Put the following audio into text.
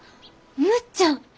むっちゃん！